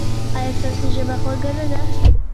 ایا ستاسو ژبه خوږه نه ده؟